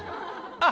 あっ。